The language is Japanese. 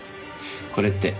これって。